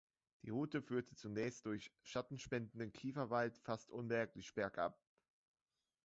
Die Route führt zunächst durch schattenspendenden Kiefernwald fast unmerklich bergab.